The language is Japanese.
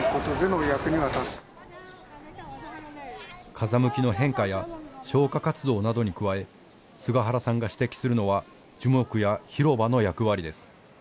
風向きの変化や消火活動などに加え菅原さんが指摘するのは樹木や広場の役割です。